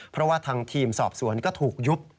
เพราะว่าทางทีมสอบสวนก็ถูกยุบ